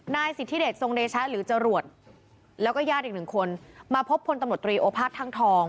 นายสิทธิเดชทรงเดชะหรือจรวดแล้วก็ญาติอีกหนึ่งคนมาพบพลตำรวจตรีโอภาษท่างทอง